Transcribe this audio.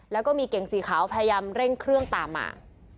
แล้วก็มีเก่งสีขาวพยายามเร่งเครื่องตามมา